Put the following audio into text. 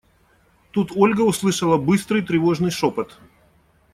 Тут Ольга услышала быстрый, тревожный шепот.